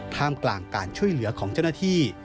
ท่ามกลางการช่วยเหลือของเจ้าหน้าที่